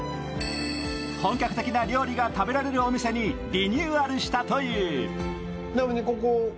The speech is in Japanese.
本格的な料理が食べられるお店へリニューアルしたという。